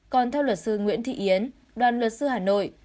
còn theo luật sư nguyễn thị yến đoàn luật sư hà nội